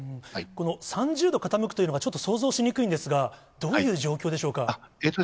この３０度傾くというのが、ちょっと想像しにくいんですが、どういう状況でしょうか。